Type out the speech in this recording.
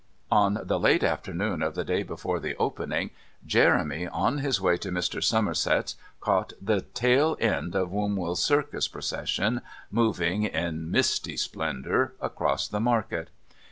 On the late afternoon of the day before the opening, Jeremy, on his way to Mr. Somerset's, caught the tailend of Wombwell's Circus Procession moving, in misty splendour, across the market.